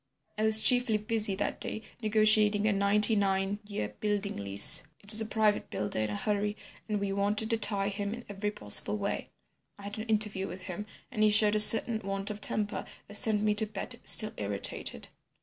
I was chiefly busy that day negotiating a ninety nine year building lease. It was a private builder in a hurry, and we wanted to tie him in every possible way. I had an interview with him, and he showed a certain want of temper that sent me to bed still irritated.